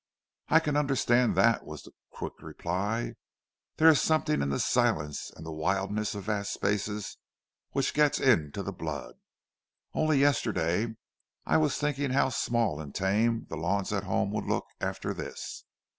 "I can understand that," was the quick reply. "There is something in the silence and wildness of vast spaces which gets into the blood. Only yesterday I was thinking how small and tame the lawns at home would look after this."